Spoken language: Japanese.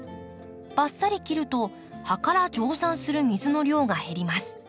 バッサリ切ると葉から蒸散する水の量が減ります。